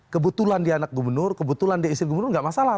kebetulan dia anak gubernur kebetulan dia istri gubernur nggak masalah